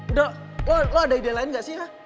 udah lo ada ide lain gak sih ya